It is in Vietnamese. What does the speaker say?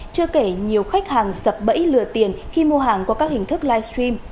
chưa kể nhiều khách hàng sập bẫy lừa tiền khi mua hàng qua các hình thức livestream